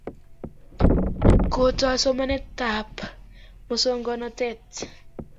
kotoi somanet tab musongnotet